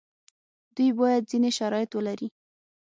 دوی باید ځینې شرایط ولري.